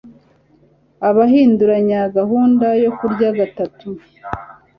Abahinduranya gahunda yo kurya gatatu